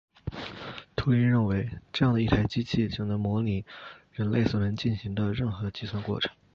图灵认为这样的一台机器就能模拟人类所能进行的任何计算过程。